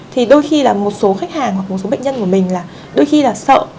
thì đôi khi là một số khách hàng hoặc một số bệnh nhân của mình là đôi khi là sợ